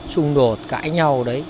xung đột cãi nhau đấy